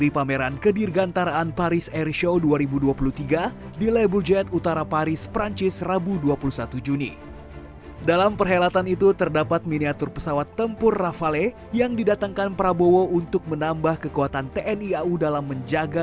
pertahanan republik indonesia